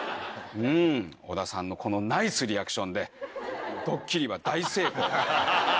うん織田さんのこのナイスリアクションでどっきりは大成功。